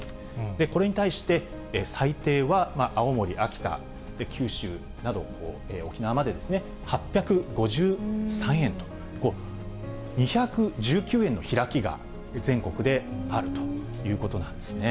これに対して、最低は青森、秋田、九州など沖縄まで８５３円と、２１９円の開きが全国であるということなんですね。